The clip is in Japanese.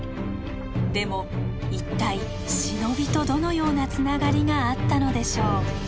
でも一体忍びとどのようなつながりがあったのでしょう。